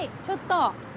ちょっと。